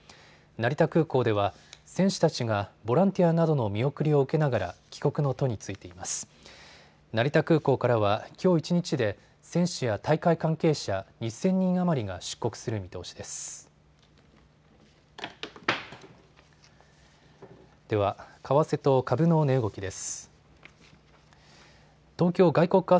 成田空港からは、きょう一日で選手や大会関係者２０００人余りが出国する見通しです。